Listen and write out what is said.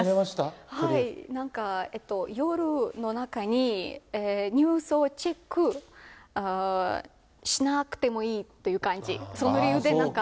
夜の中に、ニュースをチェックしなくてもいいっていう感じ。